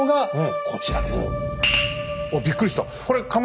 あっびっくりした。